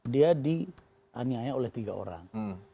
dia dianiaya oleh tiga orang